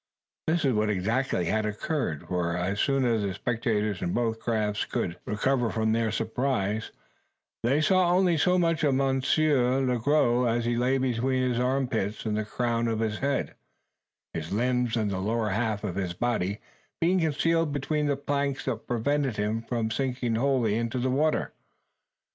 This was exactly what had occurred: for as soon as the spectators in both crafts could recover from their surprise, they saw only so much of Monsieur Le Gros as lay between his armpits and the crown of his head, his limbs and the lower half of his body being concealed between the planks that prevented him from sinking wholly into the water.